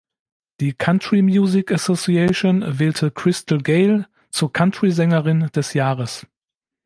Die Country Music Association wählte Crystal Gayle zur „Country-Sängerin des Jahres“.